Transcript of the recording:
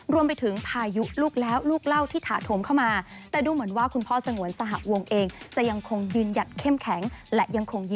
รวมไปถึงพายุลูกแล้วลูกเล่าที่ถาโถมเข้ามา